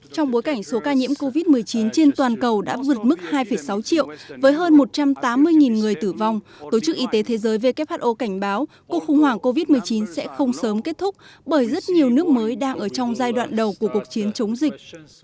trong bối cảnh số ca nhiễm covid một mươi chín trên toàn cầu đã vượt mức hai sáu triệu với hơn một trăm tám mươi người tử vong tổ chức y tế thế giới who cảnh báo cuộc khủng hoảng covid một mươi chín sẽ không sớm kết thúc bởi rất nhiều nước mới đang ở trong giai đoạn đầu của cuộc chiến chống dịch